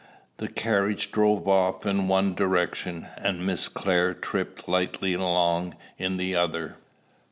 The carriage drove off in one direction, and Miss Clare tripped lightly along in the other.